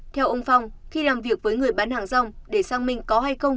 theo ông phong khi làm việc với người bán hàng rong để sang mình có hay không